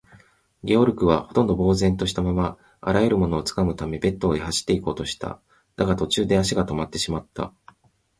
ゲオルクは、ほとんど呆然ぼうぜんとしたまま、あらゆるものをつかむためベッドへ走っていこうとした。だが、途中で足がとまってしまった。